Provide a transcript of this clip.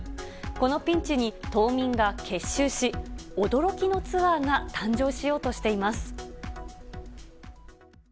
このピンチに、島民が結集し、驚きのツアーが誕生しようとしています。